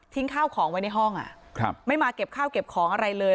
ทิ้งข้าวของไว้ในห้องอ่ะครับไม่มาเก็บข้าวเก็บของอะไรเลย